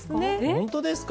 本当ですか？